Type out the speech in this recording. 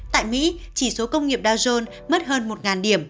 tại mỹ chỉ số công nghiệp dow jones mất hơn một điểm